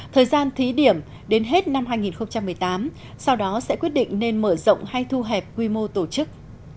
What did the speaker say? thời gian thí điểm đến hết năm hai nghìn một mươi tám sau đó sẽ quyết định nên mở rộng hay thu hẹp quy mô tổ chức